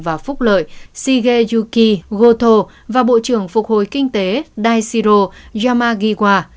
và phúc lợi sige yuki goto và bộ trưởng phục hồi kinh tế daisiro yamagiwa